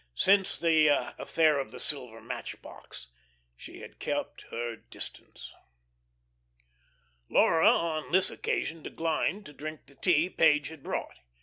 Since the affair of the silver match box she had kept her distance. Laura on this occasion declined to drink the tea Page had brought.